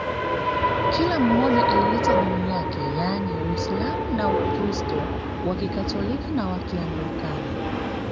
Kila mmoja alileta dini yake yaani Uislamu na Ukristo wa Kikatoliki na wa Kianglikana